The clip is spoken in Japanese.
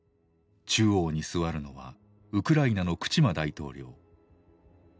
中央に座るのはウクライナのクチマ大統領。